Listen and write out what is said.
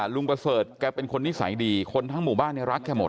ลูกเบาเซิร์ธแกเป็นคนนิสัยดีคนทั้งหมู่บ้านรักแกหมด